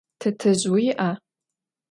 Tetezj vui'a?